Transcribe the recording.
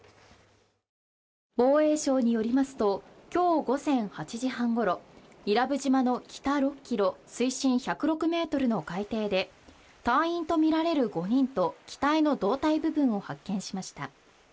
防衛省によりますと、今日午前８時半ごろ、伊良部島の北６ｋｍ水深１０６ｍの海底で、隊員とみられる５人と機体の胴体部分を発見しました。